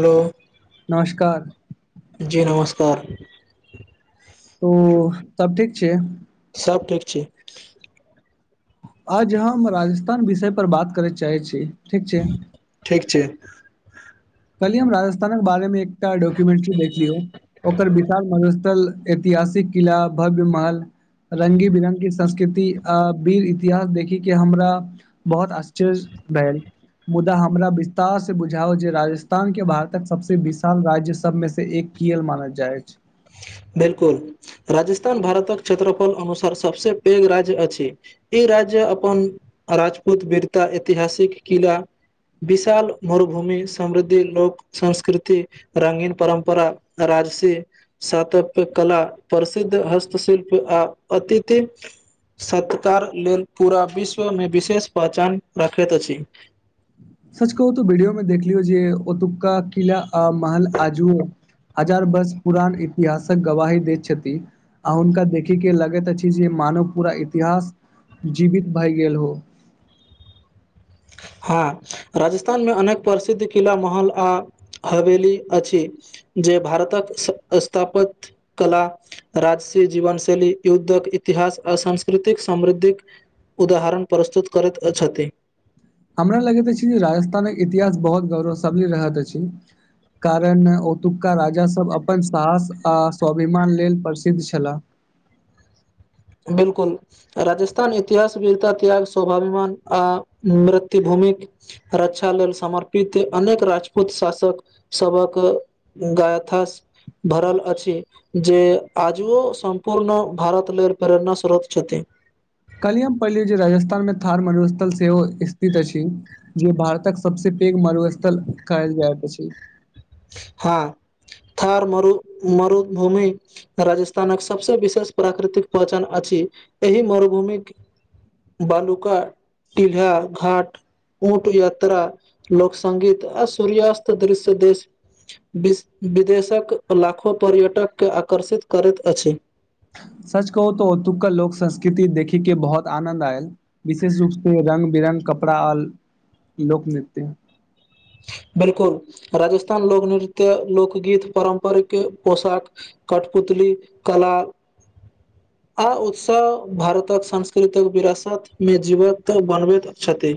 Hello नमस्कार। जी नमस्कार। त सब ठीक छियै? सब ठीक छी। आज हम राजस्थान विषय पर बात करय चाहैत छी, ठीक छै। ठीक छै। काल्हिये हम राजस्थानक बारे मे एकटा डॉक्युमेंट्री देखलियै ओकर विशाल मरुस्थल ऐतिहासिक किला भव्य महल रंगी बिरंगी संस्कृति आ वीर इतिहास देखि के हमरा बहुत आश्चर्य भेल मुदा हमरा विस्तार से बुझाउ जे राजस्थान स्थान के भारतक सबसँ विशाल राज्य सभ मेसँ एक कियैक मानल जाइत अछि। बिलकुल, राजस्थान भारतक क्षेत्रफल अनुसार सबसं पैघ राज्य अछि। ई राज्य अपन राजपूत वीरता, ऐतिहासिक किला विशाल मरुभूमि, समृद्ध लोक संस्कृति रंगीन परम्परा, राजसीय सत स्थापत्य कला, प्रसिद्ध हस्तशिल्प आ अतिथि सत्कार लेल पूरा विश्व मे विशेष पहचान रखैत अछि। सच कहू त वीडियो में देखलियै जे ओतुका किला, महल आजुओ हजार वर्ष पुरान इतिहासक गवाही दैत छथि। आ हुनका देखि के लगैत अछि जे मानवक पूरा इतिहास जीवित भए गेल हो। हँ राजस्थानमे, अनेक प्रसिद्ध किला, महल आ हवेली अछि जे भारतक स्थापत्य कला, राजसी जीवन शैली, युद्धक इतिहास आ सांस्कृतिक समृद्धिक उदाहरण प्रस्तुत करैत छथि। हमरा लगैत अछि जे राजस्थानक इतिहास बहुत गौरवशाली रहल अछि। कारण ओतुका राजा सभ अपन साहस आ स्वाभिमान लेल प्रसिद्ध छलाह। बिलकुल। राजस्थान इतिहास वीरता त्याग स्वभाभिमान आ मातृभूमिक रक्षा लेल समर्पित अनेक राजपूत शासक सभक गाथा भरल अछि जे आजुओ सम्पूर्ण भारत लेल प्रेरणा स्रोत छथि। काल्हिये हम पढलहुं जे राजस्थानमे थार मरूस्थल सेहो स्थित अछि। जे भारतक सबस पैघ मरुस्थल कहल जाइत अछि। हँ थार मरु मरुभूमि राजस्थानक सबसे विशेष प्राकृतिक पहचान अछि एहि मरुभूमि बालुका, टहा, घाट ऊँट यात्रा, लोकसंगीत आ सूर्यास्त दृश्य देश बिस विदेशक लाखो पर्यटक के आकर्षित करैत अछि। सच कहू त ओतुका लोक संस्कृति देखी के बहुत आनंन्द आयल। विशेष रूप से रङंग बिरङ्ग कपड़ा आ लोकनृत्य बिलकुल राजस्थान लोक नृत्य, लोकगीत, पारम्परिक पोशाक कठपुतली कला आ उत्साह भारतक सांस्कृतिक विरासतमे जीवंत बनबैत छथि।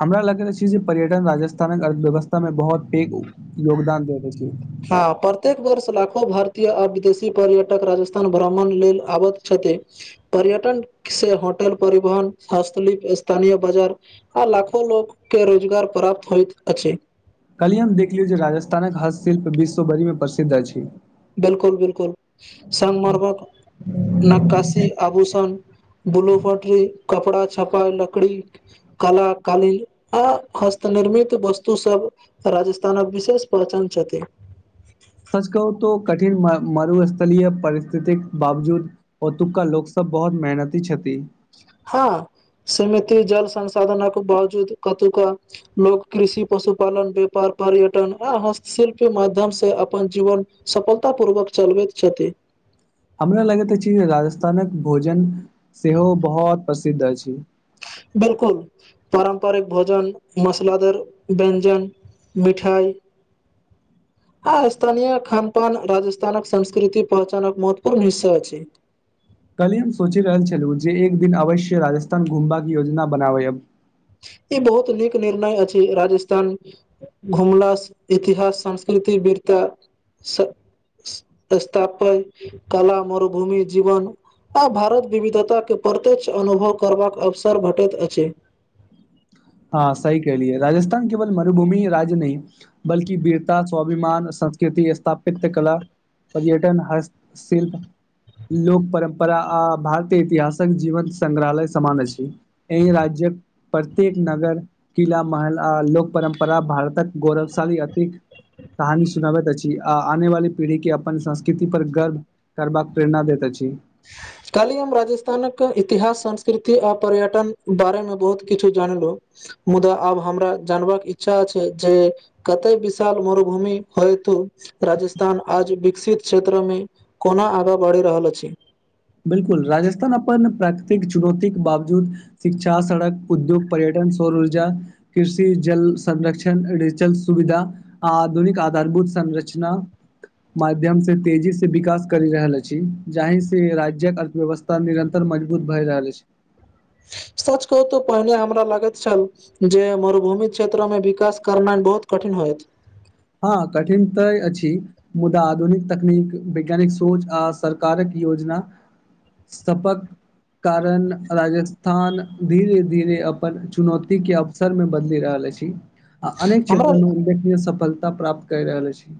हमरा लगैत अछि जे पर्यटन राजस्थानक अर्थव्यवस्थामे बहुत पैघ योगदान द रहल अछि। हँ प्रत्येक वर्ष लाखो भारतीय आ विदेशी पर्यटक राजस्थान भ्रमण लेल आबैत छथि। पर्यटन से होटल, परिवहन, हस्तशिल्प, स्थानीय बाजार आ लाखो लोक के रोजगार प्राप्त होइत अछि। काल्हिये हम देखलियै जे राजस्थानक हस्तशिल्प विश्वभरिमे प्रसिद्ध अछि। बिलकुल बिलकुल, संगमरमरक नक्काशी, आभूषण, ब्लूफटरी कपड़ा छपाइ, लकड़ी कला, कालीन आ हस्त निर्मित वस्तु सब राजस्थानक विशेष पहचान छथि। सच कहू त कठिन मरुस्थलीय परिस्थितिक बावजूद ओतुका लोकसब बहुत मेहनती छथि। हँ, सीमित जल संसाधनक बावजूद ओतुका लोक कृषि पशुपालन व्यापार पर्यटन आ हस्तशिल्पके माध्यम से अपन जीवन सफलता पूर्वक चलबैत छथि। हमरा लगैत अछि जे राजस्थानक भोजन सेहो बहुत प्रसिद्ध अछि। बिलकुल। पारम्परिक भोजन मसालेदार व्यञ्जन मिठाइ आ स्थानीय खान पान राजस्थानक संस्कृतिक पहचानक एक महत्वपूर्ण हिस्सा अछि। काल्हि हम सोचि रहल छलहुँ जे एक दिन अवश्य राजस्थान घुमबाक योजना बनायब। ई बहुत नीक निर्णय अछि, राजस्थान घुमला सं इतिहास, संस्कृति, वीरता स्थापय कला, मरुभूमि जीवन आ भारत विविधता के प्रत्यक्ष अनुभव करबाक अवसर भेटैत अछि। हाॅं सही कहेलियै राजस्थान केवल मरुभूमिय राज्य नहि बल्कि वीरता, स्वाभिमान, संस्कृति, स्थापत्य कला पर्यटन, हस्त शिल्प लोक परम्परा आ भारतीय इतिहासक जीवन संग्रहालय समान अछि। एहिं राज्यक प्रत्येक नगर, किला, महल आ लोक परम्परा भारतक गौरवशाली अतीत कहानी सुनाबैत अछि आ आने वाली पीढ़ी के अपन संस्कृति पर गर्व करबाक प्रेरणा देैत अछी। [inaudible] कल्हि हम राजस्थानक इतिहास, संस्कृति आ पर्यटन बारे मे बहुत किछु जानलौं मुदा आब हमरा जानबाक इच्छा छै जे कते विशाल मरुभूमि होयतो राजस्थान आज विकसित क्षेत्रमे कोना आगा बढ़ि रहल अछि बिल्कुल राजस्थान अपन प्राकृतिक चुनौतीेक बावजूद शिक्षा, सड़क, उद्योग, पर्यटन, सौर ऊर्जा कृषि, जल संरक्षण, रेचल सुविधा आधुनिक आधारभूत संरचना माध्यम से तेजी से विकास करि रहल अछि जाहिंसे राज्य कअर्थव्यवस्था निरन्तर मजबूत भऽ रहल अछि सच कहू तो पहिने हमरा लागैत छल जे मरुभूमि क्षेत्र मे विकास करनाइ बहुत कठिन होयत हँ कठिन तय अछि मुदा आधुनिक तकनीक, वैज्ञानिक सोच आ सरकारक योजना सपक कारण राजस्थान धीरे धीरे अपन चुनौतीेके अव सर मे बदलि रहल अछि आ अनेक हमरा क्षेत्र मे उल्लेखनीय सफलता प्राप्त करि रहल अछि।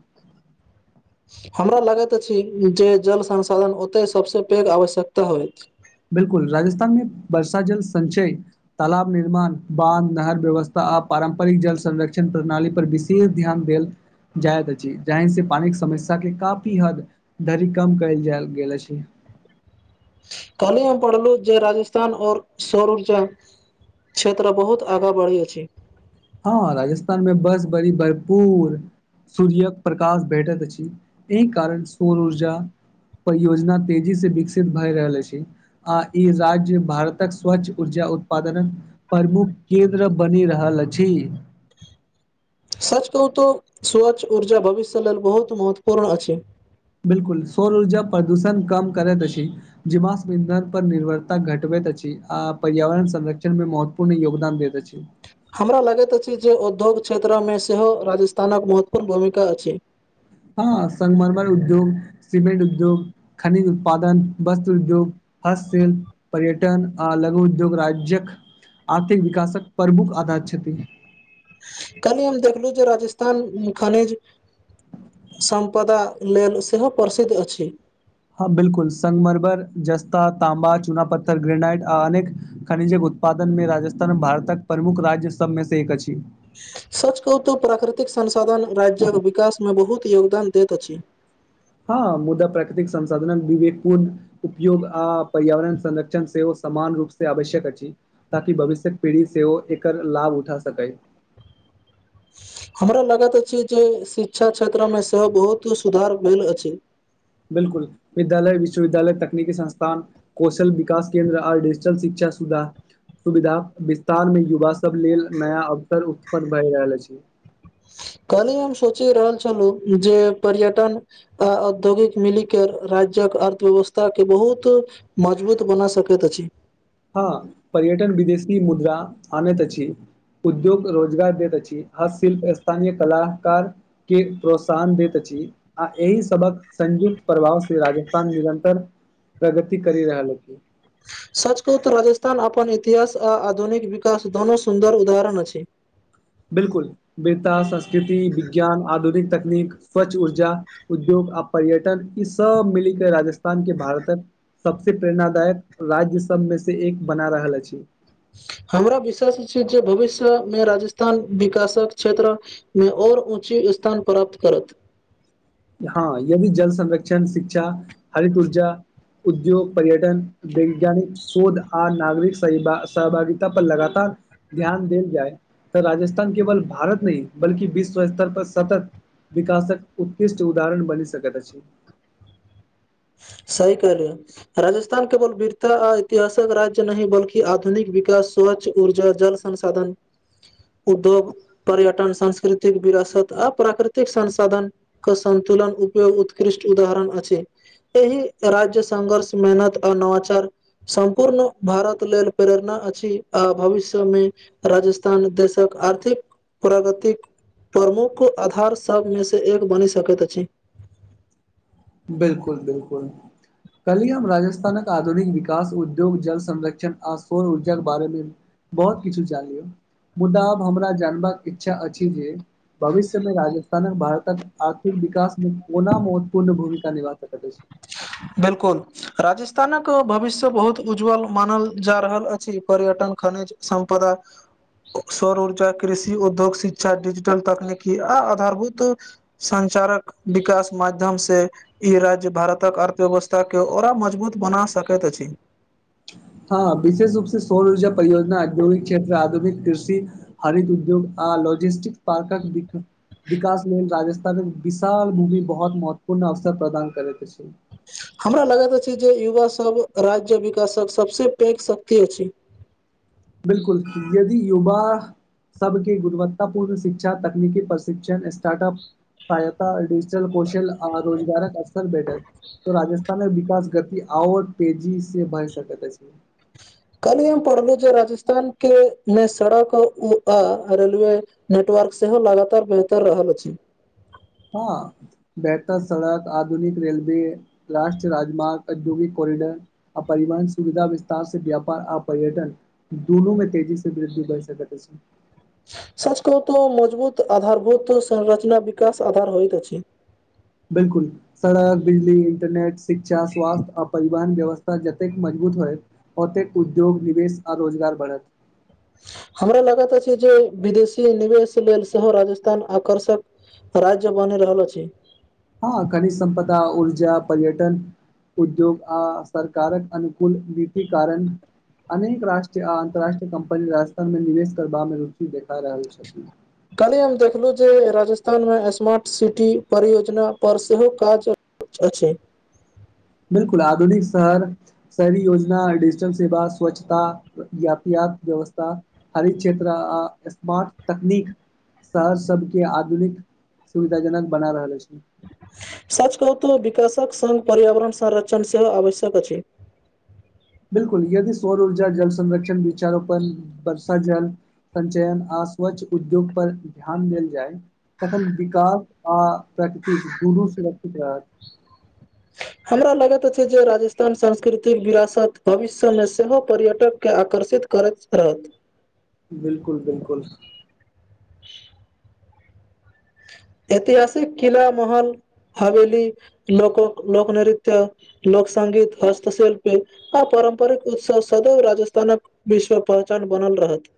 हमरा लागैत अछि जे जल संसाधन ओतय सभसे पैघ आवश्यकता होइत बिल्कुल राजस्थान मे वर्षा जल संचय तालाब निर्माण, बांध, नहर व्यवस्था आ पारंपरिक जल संरक्षण प्रणाली पर विशे शेष ध्यान देल जाइत अछि जाहि से पानिक समस्या के काफी हद धरि कम कयल जैल गेल अछी कल्हि हम पढ़लु जे राजस्थान और सौर उर्जा क्षेत्र बहुत आगाँ बढ़ै अछि हँ राजस्थान मे बर्ष भरी भरपूर सूर्यक प्रकाश भेटैत अछि एहि कारण सौर उर्जा परियोजना तेजी से विकसित भए रहल अछि आ ई राज्य भारतक स्वच्छ ऊर्जा उत्पादनक प्रमुख केन्द्र बनि रहल अछि। सच कहूं तो स्वच्छ ऊर्जा भविष्य लेल बहुत महत्वपूर्ण अछि। बिल्कुल सौर ऊर्जा प्रदूषण कम करैत अछि। जीवाश्म ईंधन पर निर्भरता घटबैत अछि आ पर्यावरण संरक्षण मे महत्व पूर्ण योगदान दैत अछि हमरा लागैत अछि जे उद्योग क्षेत्रमे सेहो राजस्थानक महत्वपूर्ण भूमिका अछि। हँ संगमरमर उद्योग, सिमेंट उद्योग खनिज उत्पादन, वस्त्र उद्योग हस्त शिल्प, पर्यटन आ लघु उद्योग राज्यक आर्थिक विकासक प्रमुख आधार छथि। कलहि हम देखलहु जे राजस्थान खनिज सम्पदा लेल से हो प्रसिद्ध अछि। हा बिलकुल संगमरमर, जस्ता, तांबा, चूना पत्थर, ग्रेनाइड आ अनेक खनिजक उत्पादन मे राजस्थान भारतक प्रमुख राज्य सबमे से एक अछि। सच कहु तऽ प्राकृतिक संसाधन राज्य्क विकास मे बहुत योगदान देत अछि। हा मुदा प्राकृतिक संसाधनक विवेकपूर्ण उपयोग आ पर्यावरण संरक्षण से हो समान रूप से आवश्यक अछि। ताकि भविष्यक पीढ़ी सेहो एकर लाभ उठा सके। हमरा लागेत अछि जे शिक्षा क्षेत्र मे से हो बहुत सुधार भेल अछि। बिल्कुल विद्यालय, विश्वविद्यालय, तकनीकी संस्थान कोशल विकास केन्द्र आ डजिटल शिक्षा सुधा सुविधा विस्तार मे युवा सब लेल नया अवसर उत्पन भए रहल अछि। कलहि हम सोचि रहल छल हुँ जे पर्यटन औद्योगिक मिली के राज्यक अर्थव्यवस्था के बहुत मजबूत बना सकेत अछि। हा पर्यटन विदेशी मुद्रा आनेत अछि। उद्योग रोजगार देत अछि, हा शिल्प स्थानीय कलाकार के प्रोत्साहन देत अहि आ ऐहि सबक संयुक्त प्रभाव से राजस्थान निरन्तर प्रगिती करी रहल अछि। सच कहू तऽ राजस्थान अपन इतिहास आ आधुनिक विकास दोनो सुन्दर उदाहरण अछि। बिलकुल वीरता, संस्कृति, विज्ञान, आधुनिक तकनीक, स्वच्छ ऊर्जा उद्योग अ पर्यटन ई सब मिली कऽ राजस्थान के भारतन सबसे प्रेरणादायक राज्य सबमे से एक बना रहल अछि। हमरा विश्वास छैय जे भविष्य मे राजस्थान विकासक क्षेत्र मे और ऊँची स्थान प्राप्त करत। हा यदी जल संरक्षण, शिक्षा, हरित ऊर्जा, उद्योग पर्यटन, वैज्ञानिक शोध आ नागरिक सह सहभागितता पर लगातार ध्यान देल जाय त राजस्थान केवल भारत नही बल्कि विश्व स्तर पर सतत विकासक उत्कृष्ट उदाहरण बनी सकेत अछि। सही कहलीये। राजस्थान केवल वीरता आ ऐतिहासक राज्य नही बल्कि आधुनिक विकास, स्वच्छ ऊर्जा, जल संसाधन, उद्योग पर्यटन, सांस्कृतिक विरासत आ प्राकृतिक संसाधन कऽ सन्तुलन उपयोग उत्कृष्ट उदाहरण अछि। एही राज्य संघर्ष, मेहनत आ नवाचार सम्पूर्ण भारत लेल प्रेरणा अछि आ भविष्य मे राजस्थान देशक आर्थिक प्रग्तिक प्रमुख आधार सभमे से एक बनी सकेत अछि। बिलकुल बिलकुल। कलही हम राजस्थानक आधुनिक विकास, उद्योग, जल संरक्षण आ सौर ऊर्जाक के बारे मे बहुत किछ जानियो मुदा अब हमरा जानबाक इच्छा अछि जे भविष्य मे राजस्थानक भारतक आर्थिक विकास मे कोना महत्वपूर्ण भूमि कदिमा तऽ भेटै छै बिलकुल राजस्थानक भविष्य बहुत उज्ज्वल मानल जा रहल अछि पर्यटन, खनिज सम्पदा सौर ऊर्जा, कृषि, उद्योग, शिक्षा, डिजिटल तकनीकी आ आधारभूत संचारक विकास माध्यम से ई राज्य भारत तक अर्थव्यवस्थाके ओरा मजबूत बना सकेत अछी। हां विशेष रूप से सौर ऊर्जा परियोजना, औद्योगिक क्षेत्र, आधुनिक कृषि हरित उद्योग आ लॉजिस्टिक पार्कक विक विकास लेल राजस्थान विशाल भूमि बहुत महत्वपूर्ण अवसर प्रदान करैत अछि हमरा लगत अछि जे युवा सब राज्य विकासक सबस पैघ शक्ति अछि। बिल्कुल यदि युवा सभके गुणवत्तापूर्ण शिक्षा, तकनीकी प्रशिक्षण, स्टार्टअप सहायता, डिजिटल कोश ल आ रोजगारक अवसर भैटत तो राजस्थानक विकास गति आओर तेजी से बढि सकैत अछि। [inaudible] कलहि हम पढ़लु जे राजस्थान के मे सड़क उ आ रेलवे नेटवर्क सेहो लगातार बेहतर रहल अछि। हँ बेहतर सड़क, आधुनिक रेलवे, राष्ट्रीय राजमार्ग, औद्योगिक कोॉरिडर आ परिवहन सुविधा विस्तार से व्यापार आ पर्यटन दुनू मे तेजी से वृद्धि भय सकैत अछि। सच कहू़ं तो मजबूत आधारभूत संरचना विकाश आधार होइत अछि। बिल्कुल सड़क, बिजली, इंटरनेट, शिक्षा, स्वास्थ्य आ परिवहन व्यवस्था जतेक मजबूत होयत ओतेक उद्योग, निवेश आ रोजगार बढ़त। हमरा लागत अछि जे विदेशी निवेश लेल सेहो राजस्थान आकर्षक राज्य बनि रहल अछि। हँ खनिज सम्पदा, ऊर्जा, पर्यटन उद्योग आ सरकारक अनुकूल नीति कारण अनेक राष्ट्रीय आ अन्तर्राष्ट्रीय कम्पनी राजस्थानमे निवेश करबामे रुचि देखा रहल छथिन। कल्हि हम देखलुं जे राजस्थानमे स्मार्ट सिटी परियोजनापर सेहो काज अच्छ अछि। बिल्कुल आधुनिक शहर शहरी योजना, डिजिटल सेवा, स्वच्छता, यातायात व्यवस्था हरित क्षेत्र आ स्मार्ट तकनीक शहर सब के आधुनिक सुविधाजनक बना रहल अछि। सच कहूं तो विकसक संग पर्यावरण संरक्षण सेहो आवश्यक अछि। बिल्कुल यदि सौर ऊर्जा, जल संरक्षण, वृक्षारोपण, वर्ष जल संचयन आ स्वच्छ उद्योग पर ध्यान देल जाय तखन विकाश आ प्राकृतिक दुनू सुरक्षित रहत। हमरा लगत अछि जे राजस्थान सांस्कृतिक विरासत भविष्य मे सेहो पर्यटक के आकर्षित करैत रहत। बिल्कुल बिल्कुल। ऐतिहासिक किला, महल, हवेली, लोकोक लोकनृत्य लोकसंगीत, हस्तशिल्पे आ पारम्परिक उत्सव सदैव राजस्थानक विश्वक पहचान बनल रहत।